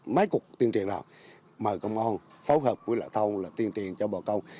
mấy cuộc tuyên truyền đó mời công an phối hợp với lợi thông là tuyên truyền cho bộ công